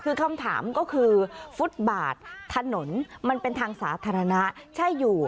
คือคำถามก็คือฟุตบาทถนนมันเป็นทางสาธารณะใช่อยู่